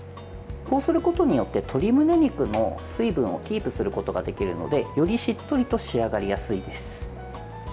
こうすることによって鶏むね肉の水分をキープすることができるのでより、しっとりと仕上がりやすいです。